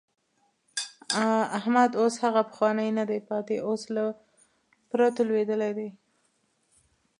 احمد اوس هغه پخوانی نه دی پاتې، اوس له پرتو لوېدلی دی.